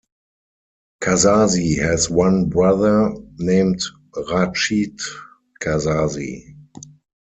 Kazzazi has one brother, named Rachid Kazzazi.